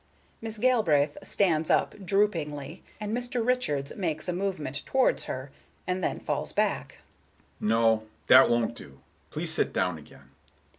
Miss Galbraith stands up, droopingly, and Mr. Richards makes a movement towards her, and then falls back. "No, that won't do. Please sit down again."